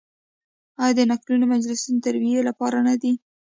آیا د نکلونو مجلسونه د تربیې لپاره نه دي؟